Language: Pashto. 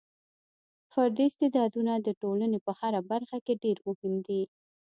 فردي استعدادونه د ټولنې په هره برخه کې ډېر مهم دي.